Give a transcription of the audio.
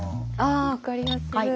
あ分かりやすい。